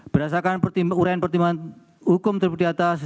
berdasarkan uraian pertimbangan hukum terdiri diatas